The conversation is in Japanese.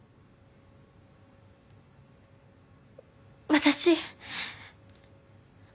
私。